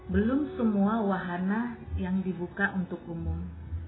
belum semua wahana yang dibuka untuk umum